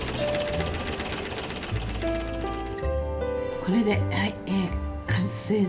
これで完成ですね。